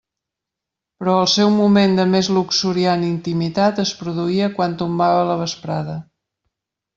Però el seu moment de més luxuriant intimitat es produïa quan tombava la vesprada.